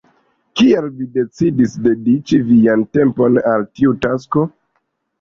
Kial vi decidis dediĉi vian tempon al tiu tasko?